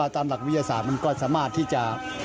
ตามหลักวิทยาศาสตร์มันก็สามารถที่จะ